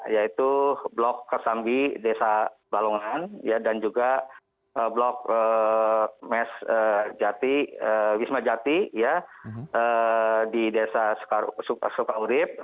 yaitu blok kersambi desa balongan dan juga blok mes jati wisma jati ya di desa sukawudip